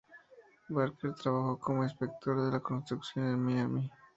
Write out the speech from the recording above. Barker trabajó como inspector de la construcción en Miami.